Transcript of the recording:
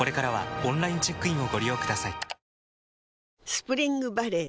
スプリングバレー